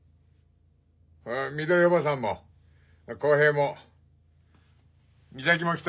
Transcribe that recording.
みどりおばさんも耕平も美咲も来とる。